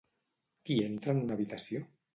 Qui entra en una habitació?